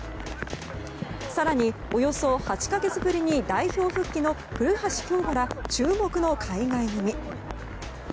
更に、およそ８か月ぶりに代表復帰の古橋亨梧ら注目の海外組。